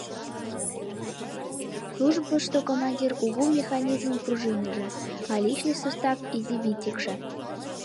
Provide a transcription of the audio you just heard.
Службышто командир — кугу механизмын пружиныже, а личный состав — изи винтикше.